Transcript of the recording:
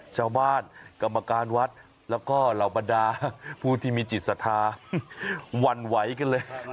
กรรมการวัดแล้วก็เหล่าบรรดาผู้ที่มีจิตศรัทธาหวั่นไหวกันเลย